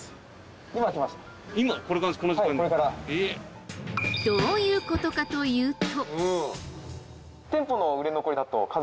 この時間に！？どういうことかというと。